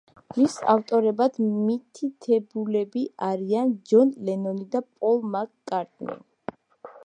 მის ავტორებად მითითებულები არიან ჯონ ლენონი და პოლ მაკ-კარტნი.